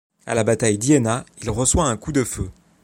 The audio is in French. À la bataille d'Iéna, il reçoit un coup de feu.